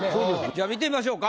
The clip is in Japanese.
じゃあ見てみましょうか。